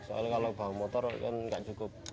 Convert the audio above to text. soalnya kalau bawa motor kan nggak cukup